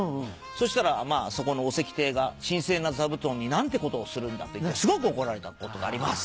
そしたらそこのお席亭が神聖な座布団に何てことをするんだと言ってすごく怒られたことがあります。